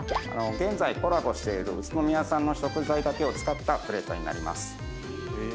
現在コラボしている宇都宮産の食材だけを使ったプレートになります。